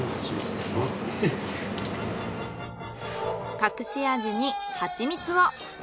隠し味にはちみつを。